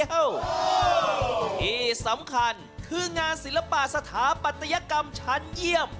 ที่สำคัญคืองานศิลปะสถาปัตยกรรมชั้นเยี่ยม